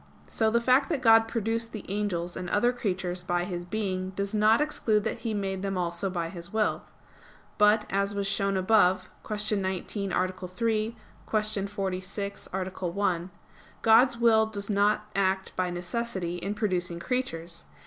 So the fact that God produced the angels and other creatures by His being does not exclude that He made them also by His will. But, as was shown above (Q. 19, A. 3; Q. 46, A. 1), God's will does not act by necessity in producing creatures.